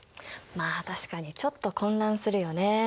まあ確かにちょっと混乱するよね。